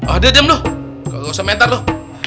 oh dia jam loh gak usah mentar loh